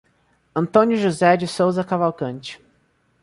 Antônio José de Sousa Cavalcante